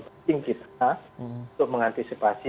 penting kita untuk mengantisipasi